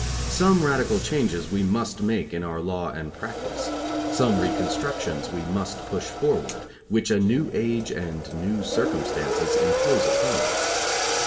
Some radical changes we must make in our law and practice. Some reconstructions we must push forward, which a new age and new circumstances impose upon us.